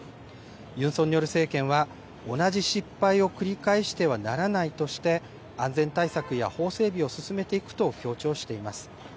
ユン・ソンニョル政権は、同じ失敗を繰り返してはならないとして、安全対策や法整備を進めていくと強調しています。